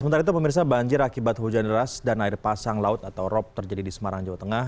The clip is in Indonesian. sementara itu pemirsa banjir akibat hujan deras dan air pasang laut atau rop terjadi di semarang jawa tengah